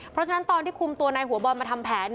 เพราะฉะนั้นตอนที่คุมตัวนายหัวบอลมาทำแผน